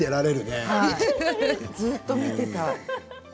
ずっと見てみたい。